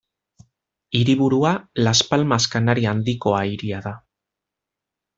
Hiriburua Las Palmas Kanaria Handikoa hiria da.